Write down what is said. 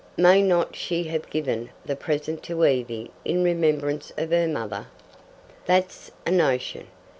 "May not she have given the present to Evie in remembrance of her mother?" "That's a notion.